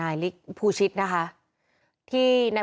พุ่งเข้ามาแล้วกับแม่แค่สองคน